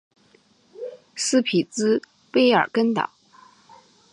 斯匹兹卑尔根岛。